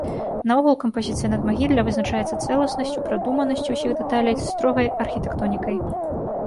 Наогул кампазіцыя надмагілля вызначаецца цэласнасцю, прадуманасцю ўсіх дэталей, строгай архітэктонікай.